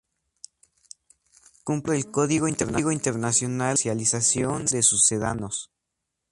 Cumplimiento del código internacional de comercialización de sucedáneos.